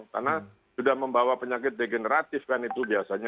karena sudah membawa penyakit degeneratif kan itu biasanya